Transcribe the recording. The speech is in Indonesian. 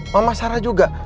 mama sarah juga